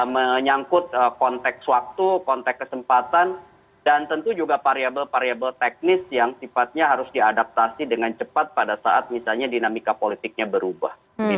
menyangkut konteks waktu konteks kesempatan dan tentu juga variable variable teknis yang sifatnya harus diadaptasi dengan cepat pada saat misalnya dinamika politiknya berubah